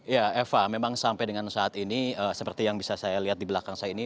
ya eva memang sampai dengan saat ini seperti yang bisa saya lihat di belakang saya ini